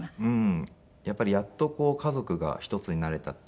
やっぱりやっとこう家族が一つになれたっていう言葉は。